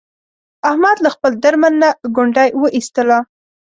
احمد له خپل درمند نه ګونډی و ایستلا.